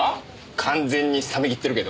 完全に冷めきってるけど。